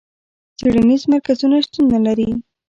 څېړنیز مرکزونه شتون نه لري.